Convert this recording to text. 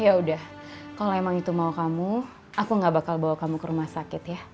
ya udah kalau emang itu mau kamu aku gak bakal bawa kamu ke rumah sakit ya